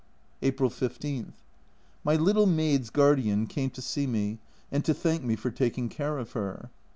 April 15. My little maid's guardian came to see me and to thank me for taking care of her.